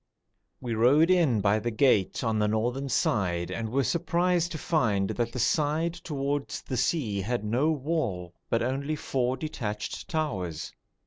We rode in by the gate on the northern side and were surprised to find that the side towards the sea had no wall, but only four detached towers.